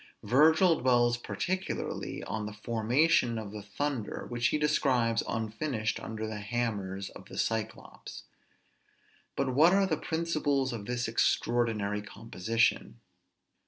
Virgil dwells particularly on the formation of the thunder which he describes unfinished under the hammers of the Cyclops. But what are the principles of this extraordinary composition?